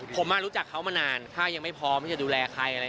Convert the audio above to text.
ผมรู้จักเขามานานถ้ายังไม่พร้อมที่จะดูแลใคร